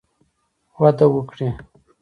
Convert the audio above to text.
وده وکړي